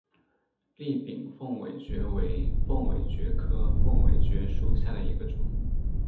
栗柄凤尾蕨为凤尾蕨科凤尾蕨属下的一个种。